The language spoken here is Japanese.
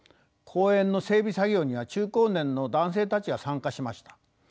公園の整備作業には中高年の男性たちが参加しました。